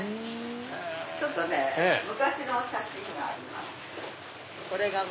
ちょっとね昔の写真があります。